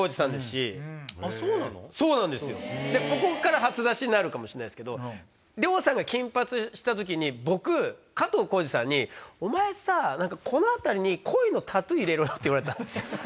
ここから初出しになるかもしれないですけど亮さんが金髪にした時に僕加藤浩次さんに「お前さ何かこの辺りに」。って言われたんですよ。